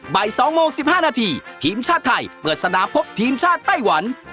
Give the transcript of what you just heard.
บ่าย๒โมง๑๕นาทีทีมชาติไทยเปิดสนามพบทีมชาติไต้หวัน